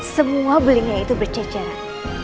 semua belinya itu bercejaran